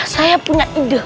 saya punya ide